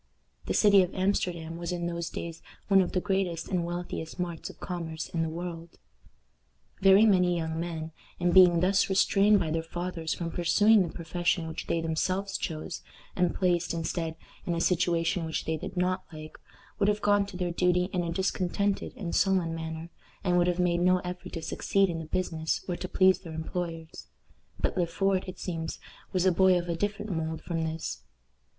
The city of Amsterdam was in those days one of the greatest and wealthiest marts of commerce in the world. Very many young men, in being thus restrained by their fathers from pursuing the profession which they themselves chose, and placed, instead, in a situation which they did not like, would have gone to their duty in a discontented and sullen manner, and would have made no effort to succeed in the business or to please their employers; but Le Fort, it seems, was a boy of a different mould from this.